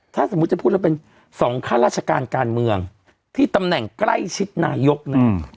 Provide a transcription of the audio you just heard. ถ้าสมมุติจะพูดแล้วเป็นสองข้าราชการการเมืองที่ตำแหน่งใกล้ชิดนายกนะ